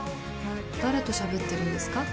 誰としゃべってるんですか？